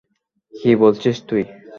কী বলছিস তুই?